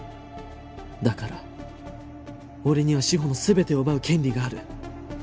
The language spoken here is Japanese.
だから俺には志法の全てを奪う権利がある